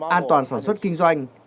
an toàn sản xuất kinh doanh